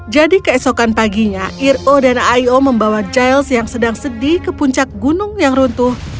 jadi keesokan paginya iro dan io membawa giles yang sedang sedih ke puncak gunung yang runtuh